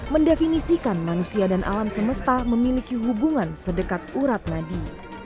mendefinisikan manusia dan alam semesta memiliki hubungan sedekat urat nadi